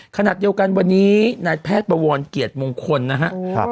ขณะเดียวกันวันนี้นายแพทย์บวรเกียรติมงคลนะครับ